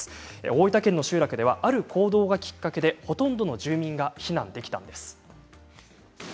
大分県の集落では、ある行動がきっかけでほとんどの住民が避難できたんです。